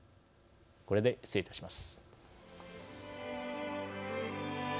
これで失礼いたします。